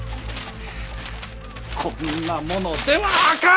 こんなものではあかん！